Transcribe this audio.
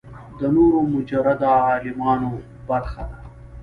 د نورو مجرده عالمونو برخه ده.